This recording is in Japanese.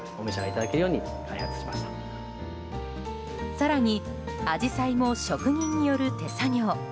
更に、アジサイも職人による手作業。